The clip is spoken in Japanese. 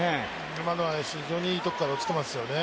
今のは非常にいいところから落ちていますよね。